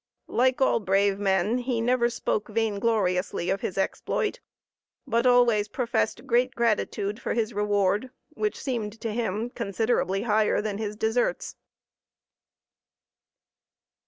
Like all brave men, he never spoke vaingloriously of his exploit; but always professed great gratitude for his reward, which seemed to him considerably higher than his deserts.